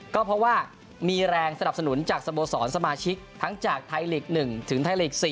ก็เพราะว่ามีแรงสนับสนุนจากสโมสรสมาชิกทั้งจากไทยลีก๑ถึงไทยลีก๔